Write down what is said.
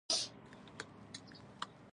پریشتو کې دې هم برابر څوک نه دی.